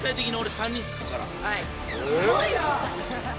すごいな！